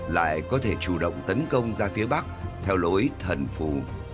lại có thể chủ động tấn công ra phía bắc theo lối thần phù